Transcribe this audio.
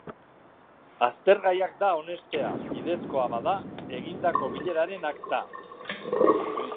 Aztergaiak da onestea, bidezkoa bada, egindako bileraren akta.